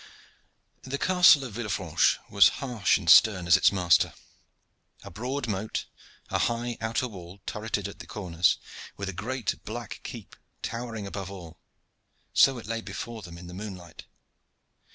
The Castle of Villefranche was harsh and stern as its master. A broad moat, a high outer wall turreted at the corners, with a great black keep towering above all so it lay before them in the moonlight.